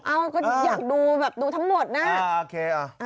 อ้าวก็อยากดูแบบดูทั้งหมดนะ